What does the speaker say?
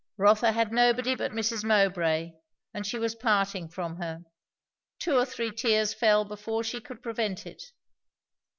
Rotha had nobody but Mrs. Mowbray, and she was parting from her. Two or three tears fell before she could prevent it.